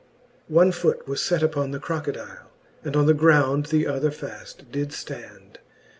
VII. One foote was (et uppon the crocodile, And on the ground the other faft did ftand.